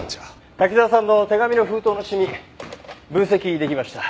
滝沢さんの手紙の封筒のシミ分析出来ました。